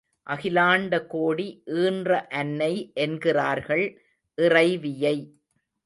அகிலாண்ட கோடி ஈன்ற அன்னை என்கிறார்கள் இறைவியை.